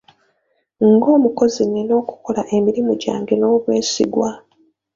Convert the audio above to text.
Ng'omukozi nnina okukola emirimu gyange n'obwesigwa.